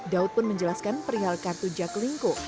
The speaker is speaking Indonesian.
daud pun menjelaskan perihal kartu jaklingko